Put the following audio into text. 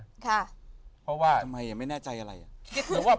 ดูครับท่านต้องเอามาบอกว่า